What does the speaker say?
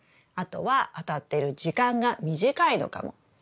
あとは当たってる時間が短いのかも。